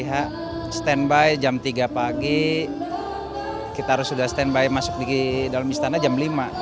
kalau sudah stand by masuk ke dalam istana jam lima